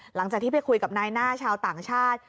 หลังจากที่ไปคุยกับนายหน้าชาวต่างชาติ